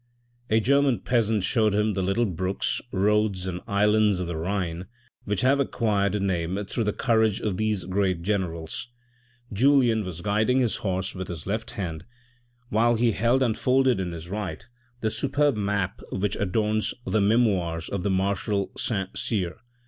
A German peasant showed him the little brooks, roads and islands of the Rhine, which have acquired a name through the courage of these great generals. Julien was guiding his horse with his left hand, while he held unfolded in his right the superb map which adorns the Memoirs of the Marshal Saint Cyr.